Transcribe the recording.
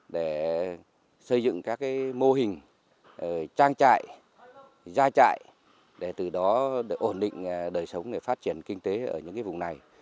để xây dựng các mô hình trang trại gia trại để từ đó ổn định đời sống để phát triển kinh tế ở những vùng này